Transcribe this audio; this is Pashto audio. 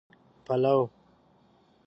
پلو